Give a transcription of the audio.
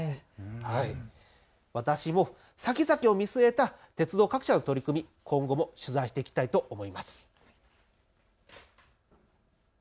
私もさきざきを見据えた鉄道各社の取り組み、今後も取材していきたいと思います。